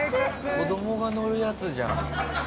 子どもが乗るやつじゃん。